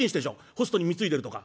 ホストに貢いでるとか。